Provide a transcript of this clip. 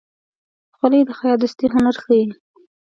خولۍ د خیاط دستي هنر ښيي.